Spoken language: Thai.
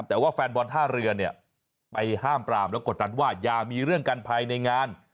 แต่ว่าแฟนบอลท่าเรือเนี่ยไปห้ามปรามแล้วกดดันว่าอย่ามีเรื่องกันภายในงาน